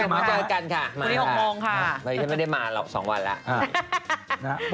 มาแล้วค่ะพรุ่งนี้๖โมงค่ะไม่ได้มาหรอก๒วันแล้ว